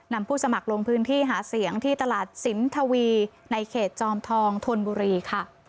ผู้สมัครลงพื้นที่หาเสียงที่ตลาดสินทวีในเขตจอมทองธนบุรีค่ะ